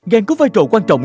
gan có vai trò quan trọng